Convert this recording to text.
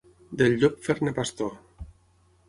Del llop fer-ne pastor.